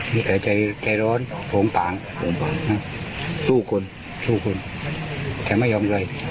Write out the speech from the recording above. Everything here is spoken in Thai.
มีใจร้อนผงผางสู้คนจะไม่ยอมใคร